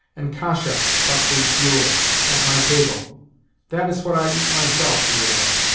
] and kasha [Buckwheat gruel.] at my table." "That is what I eat myself," he would add.